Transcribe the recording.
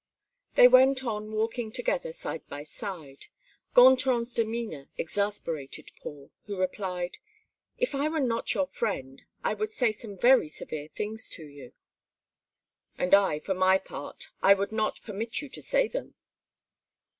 They went on walking together side by side. Gontran's demeanor exasperated Paul, who replied: "If I were not your friend, I would say some very severe things to you." "And for my part I would not permit you to say them."